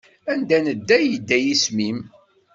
Anda nedda yedda yisem-im.